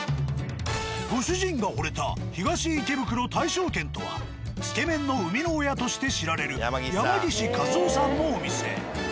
ご主人がほれた「東池袋大勝軒」とはつけ麺の生みの親として知られる山岸一雄さんのお店。